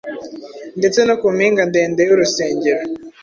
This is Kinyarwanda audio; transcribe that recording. Ndetse no ku mpinga ndende y'urusengero,